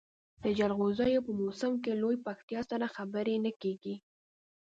د جلغوزیو په موسم کې له لویې پکتیا سره خبرې نه کېږي.